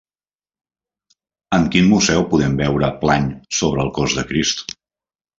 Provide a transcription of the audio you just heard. En quin museu podem veure Plany sobre el cos de Crist?